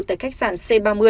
tại khách sạn c ba mươi